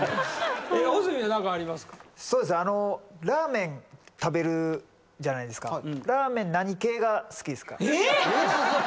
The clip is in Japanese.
ラーメン食べるじゃないですか。